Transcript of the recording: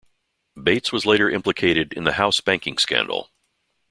Bates was later implicated in the House banking scandal.